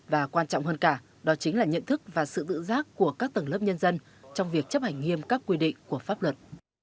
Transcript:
và quan trọng hơn cả đó chính là nhận thức và sự tự giác của các tầng lớp nhân dân trong việc chấp hành nghiêm các quy định của pháp luật